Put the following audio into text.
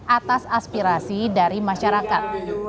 atas aspirasi dari masyarakat